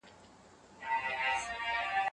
د حيا تور پوړونی مه ورکوه مې غورځوه